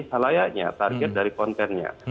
halayanya target dari kontennya